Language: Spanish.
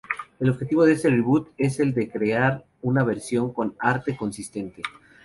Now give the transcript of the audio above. El objetivo de este reboot es el de crear una versión con arte consistente.